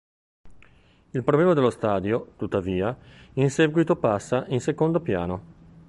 Il problema dello stadio, tuttavia, in seguito passa in secondo piano.